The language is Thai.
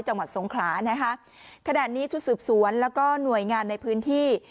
จังหวัดสงขลานะคะขณะนี้ชุดสืบสวนแล้วก็หน่วยงานในพื้นที่